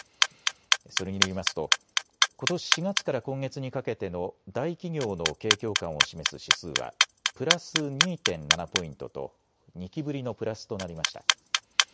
それによりますとことし４月から今月にかけての大企業の景況感を示す指数はプラス２．７ポイントと２期ぶりのプラスとなりました。